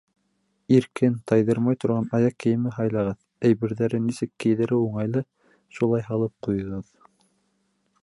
Иркен, тайҙырмай торған аяҡ кейеме һайлағыҙ, әйберҙәрен нисек кейҙереү уңайлы — шулай һалып ҡуйығыҙ.